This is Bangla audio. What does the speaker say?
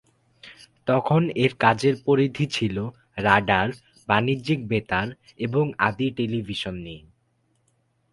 তখন এর কাজের পরিধি ছিল রাডার, বাণিজ্যিক বেতার এবং আদি টেলিভিশন নিয়ে।